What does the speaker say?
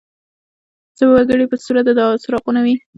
څه وګړي په صورت د څراغونو وي.